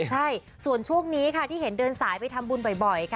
ใช่ส่วนช่วงนี้ค่ะที่เห็นเดินสายไปทำบุญบ่อยค่ะ